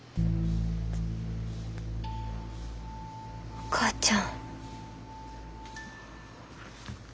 お母ちゃん。